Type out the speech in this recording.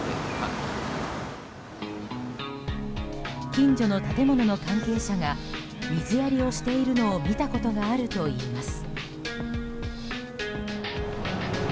近所の建物の関係者が水やりをしているのを見たことがあるといいます。